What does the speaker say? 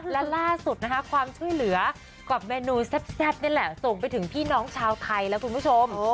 และล่าสุดนะคะความช่วยเหลือกับเมนูแซ่บนี่แหละส่งไปถึงพี่น้องชาวไทยแล้วคุณผู้ชม